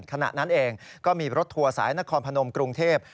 ขณะนั้นเองก็มีรถทัวร์สายนครพนมกรุงเทพ